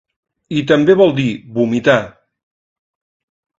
I també vol dir vomitar.